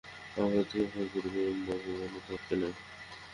অপরাধকেই ভয় করি, পানুবাবু, অনুতাপকে নয়।